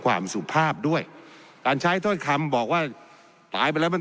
สุภาพด้วยการใช้ถ้อยคำบอกว่าตายไปแล้วมัน